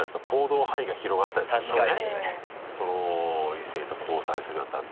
異性と交際するようになったらね